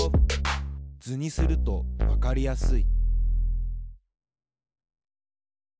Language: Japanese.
図にするとわかりやすい。